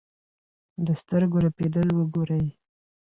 د سترګو رپېدل وګورئ.